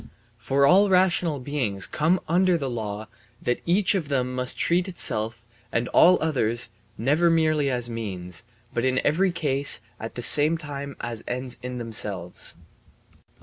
For all rational beings come under the law that each of them must treat itself and all others never merely as means, but in every case at the same time as ends in themselves.